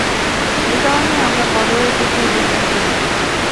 একারণেই আমরা বদরের যুদ্ধে উপস্থিত হতে পারিনি।